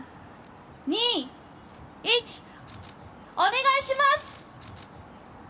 ３、２、１、お願いします！